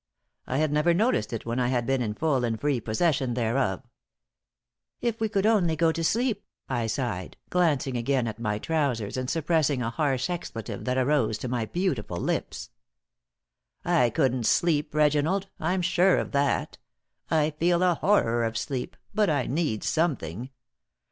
I had never noticed it when I had been in full and free possession thereof. "If we could only go to sleep," I sighed, glancing again at my trousers and suppressing a harsh expletive that arose to my beautiful lips. "I couldn't sleep, Reginald. I'm sure of that. I feel a horror of sleep, but I need something.